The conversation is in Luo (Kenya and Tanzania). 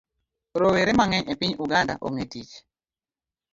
Rowere mang'eny e piny Uganda onge tich